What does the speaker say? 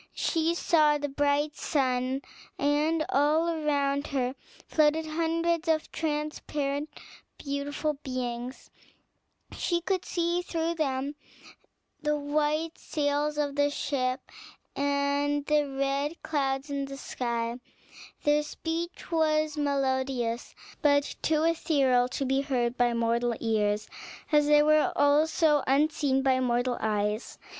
She saw the bright sun, and all around her floated hundreds of transparent beautiful beings; she could see through them the white sails of the ship, and the red clouds in the sky; their speech was melodious, but too ethereal to be heard by mortal ears, as they were also unseen by mortal eyes.